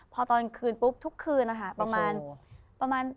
พอตอนนั้นทุกคืนประมาณประมาณ